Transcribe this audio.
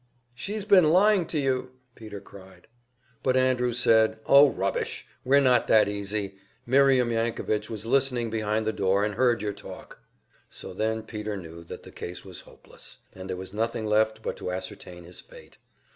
"She's been lying to you!" Peter cried. But Andrews said: "Oh rubbish! We're not that easy! Miriam Yankovich was listening behind the door, and heard your talk." So then Peter knew that the case was hopeless, and there was nothing left but to ascertain his fate.